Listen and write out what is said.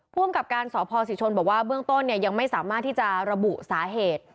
ภูมิกับการสพศิชนบอกว่าเบื้องต้นเนี่ยยังไม่สามารถที่จะระบุสาเหตุ